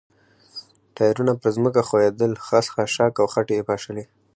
ټایرونه پر ځمکه ښویېدل، خس، خاشاک او خټې یې پاشلې.